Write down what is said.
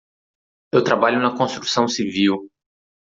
Eu trabalho na construção civil.